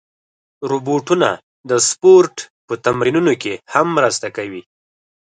روبوټونه د سپورت په تمرینونو کې هم مرسته کوي.